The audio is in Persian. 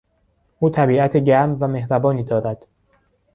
او طبیعت گرم و مهربانی دارد.